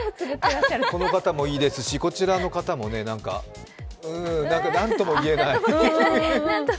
この方もいいですし、こちらの方も何かうーん、何とも言えない。